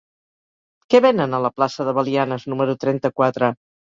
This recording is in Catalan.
Què venen a la plaça de Belianes número trenta-quatre?